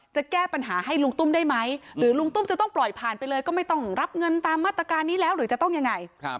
จะแก้ปัญหาให้ลุงตุ้มได้ไหมหรือลุงตุ้มจะต้องปล่อยผ่านไปเลยก็ไม่ต้องรับเงินตามมาตรการนี้แล้วหรือจะต้องยังไง